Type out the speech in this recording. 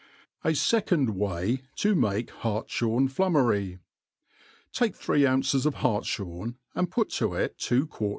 A fecond Way id mdki Hartjborn Flummery* TAKE three ounces of hartfhorn, and put to it two quart!